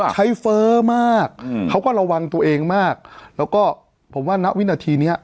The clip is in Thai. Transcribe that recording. เฟ้อมากเขาก็ระวังตัวเองมากแล้วก็ผมว่าณวินาทีเนี้ย